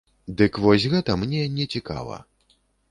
Дык вось гэта мне не цікава.